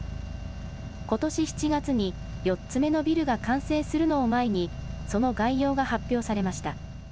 ことし７月に４つ目のビルが完成するのを前に、その概要が発表されました。